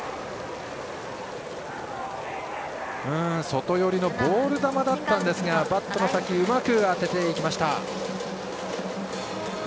外寄りのボール球だったんですがバットの先うまく当てていきました。